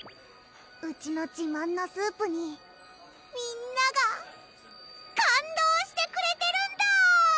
うちの自慢のスープにみんなが感動してくれてるんだ！